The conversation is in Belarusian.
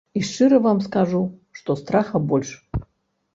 І шчыра вам скажу, што страха больш.